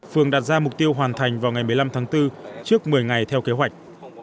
phường đặt ra mục tiêu hoàn thành vào ngày một mươi năm tháng bốn trước một mươi ngày theo kế hoạch